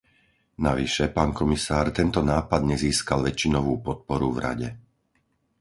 Navyše, pán komisár, tento nápad nezískal väčšinovú podporu v Rade.